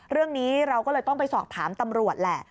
เรื่องนี้เราก็เลยต้องไปสอบถามตำรวจแหละ